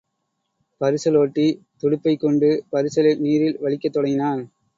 பரிசலோட்டி துடுப்பைக்கொண்டு பரிசலை நீரில் வலிக்கத் தொடங்கினான்.